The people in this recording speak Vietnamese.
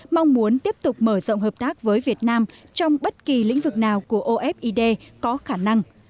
mong muốn tiếp tục mở rộng hợp tác với việt nam trong bất kỳ lĩnh vực nào của ofid có khả năng